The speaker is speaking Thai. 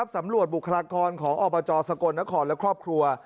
บุคลากรของอบจสกลนครและครอบครัว